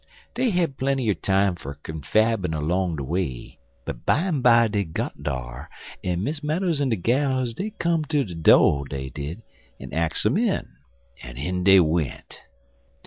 Dey had plenty er time fer confabbin' 'long de way, but bimeby dey got dar, en Miss Meadows en de gals dey come ter de do', dey did, en ax um in, en in dey went.